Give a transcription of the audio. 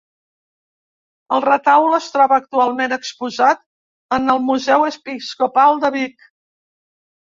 El Retaule es troba actualment exposat en el Museu Episcopal de Vic.